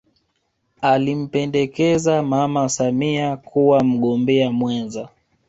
alimpendekeza mama samia kuwa mgombea mwenza